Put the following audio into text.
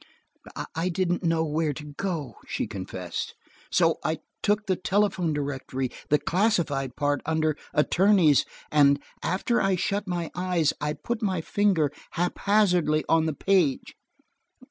"I didn't know where to go," she confessed, "so I took the telephone directory, the classified part under 'Attorneys,' and after I shut my eyes, I put my finger haphazard on the page.